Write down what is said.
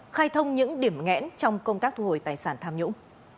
khai thông những điểm ngẽn trong công tác thu hồi tài sản tham nhũng